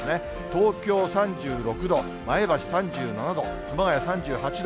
東京３６度、前橋３７度、熊谷３８度。